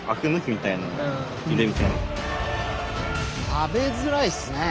食べづらいっすね。